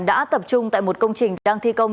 đã tập trung tại một công trình đang thi công